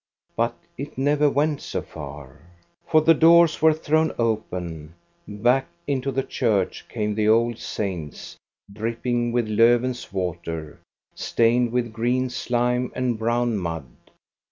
But it never went so far. For the doors were thrown open, back into the church came the old saints, dripping with Lofven's water, stained with green slime and brown mud.